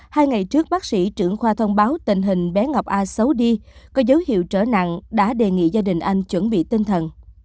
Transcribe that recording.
hai ngày trước bác sĩ trưởng khoa thông báo tình hình bé ngọc a xấu đi có dấu hiệu trở nặng đã đề nghị gia đình anh chuẩn bị tinh thần